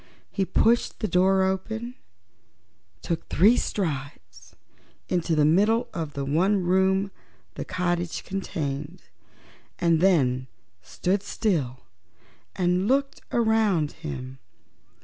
He pushed the door open, took three strides into the middle of the one room the cottage contained, and then stood still and looked around him.